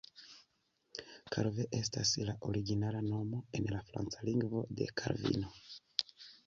Calvin estas la originala nomo en la franca lingvo de Kalvino.